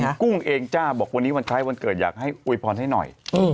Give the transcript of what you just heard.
คุณกุ้งเองจ้าบอกวันนี้วันคล้ายวันเกิดอยากให้อวยพรให้หน่อย